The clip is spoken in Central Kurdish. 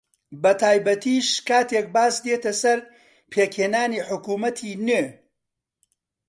بەتایبەتیش کاتێک باس دێتە سەر پێکهێنانی حکوومەتی نوێ